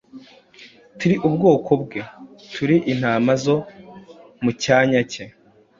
Turi ubwoko bwe, turi intama zo mu cyanya cye.